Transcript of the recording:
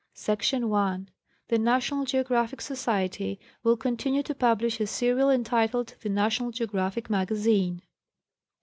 Suction 1. The National Geographic Society will continue to publish a serial entitled The National Geographic Magazine.